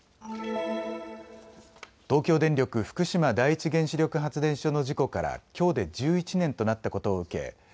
東京電力福島第一原子力発電所の事故からきょうで１１年となったことを受け